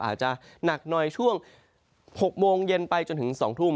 อาจจะหนักหน่อยช่วง๖โมงเย็นไปจนถึง๒ทุ่ม